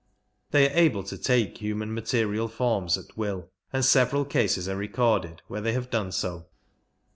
They are able to take human material forms at will, and several cases are recorded when they have done so.